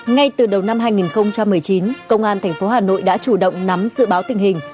ngay từ đầu năm hai nghìn một mươi chín công an tp hà nội đã chủ động nắm dự báo tình hình